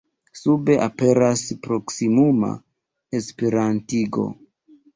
Sube aperas proksimuma Esperantigo.